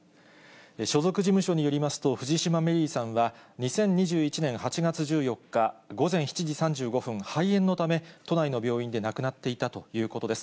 所属事務所によりますと、藤島メリーさんは、２０２１年８月１４日午前７時３５分、肺炎のため、都内の病院で亡くなっていたということです。